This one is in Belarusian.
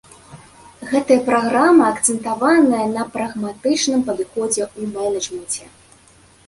Гэтая праграма акцэнтаваная на прагматычным падыходзе ў менеджменце.